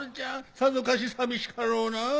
さぞかし寂しかろうなぁ。